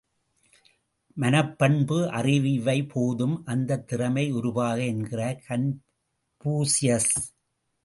மனப்பண்பு, அறிவு இவை போதும் அந்த திறமை உருவாக என்கிறார் கன்பூசியஸ்.